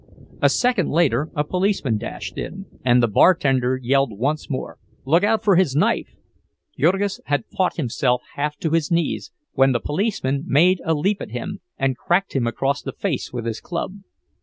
A second later a policeman dashed in, and the bartender yelled once more—"Look out for his knife!" Jurgis had fought himself half to his knees, when the policeman made a leap at him, and cracked him across the face with his club.